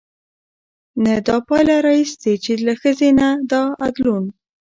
نه دا پايله راايستې، چې له ښځې نه د ادلون